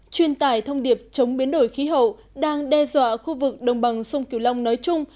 truyền tải thông điệp chống biến đổi khí hậu đang đe dọa khu vực đồng bằng sông kiều long nói chung